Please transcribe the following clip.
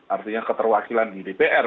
artinya keterwakilan di dpr